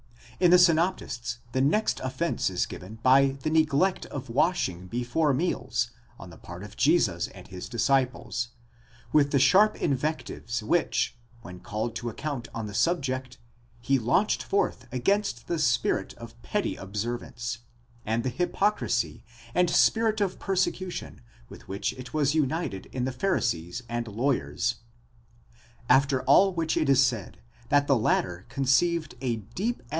In the synoptists, the next offence is given by the neglect of washing before meals on the part of Jesus and his disciples, with the sharp invectives which, when called to account on the subject, he launched forth against the spirit of petty observance, and the hypocrisy and spirit of persecution with which it was united in the Pharisees and lawyers ; after all which it is said, that the latter conceived a deep ani